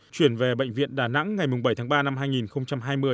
chuyển về bệnh viện đà nẵng ngày bảy tháng ba năm hai nghìn hai mươi